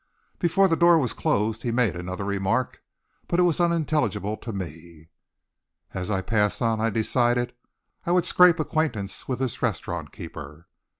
Before the door was closed he made another remark, but it was unintelligible to me. As I passed on I decided I would scrape acquaintance with this restaurant keeper.